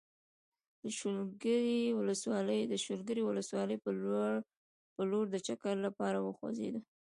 د شولګرې ولسوالۍ په لور د چکر لپاره وخوځېدو.